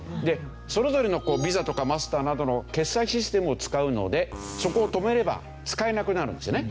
それぞれのビザとかマスターなどの決済システムを使うのでそこを止めれば使えなくなるんですよね。